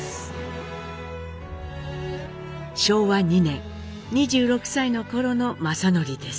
昭和２年２６歳のころの正徳です。